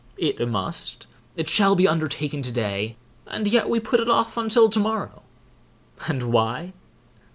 It must, it shall be undertaken to day, and yet we put it off until to morrow; and why?